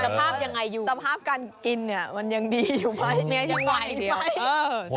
สภาพการกินเนี่ยมันยังดีอยู่ไหม